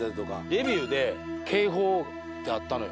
レビューで警報ってあったのよ。